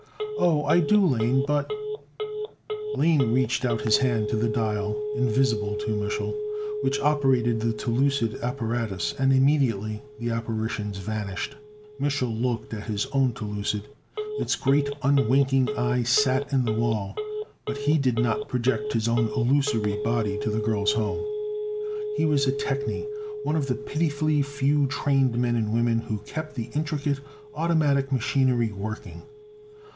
"Oh, I do, Lane, but " Lane reached out his hand to the dial, invisible to Mich'l, which operated the telucid apparatus, and immediately the apparitions vanished. Mich'l looked at his own telucid, its great unwinking eye set in the wall. But he did not project his own illusory body to the girl's home. He was a technie one of the pitifully few trained men and women who kept the intricate automatic machinery working.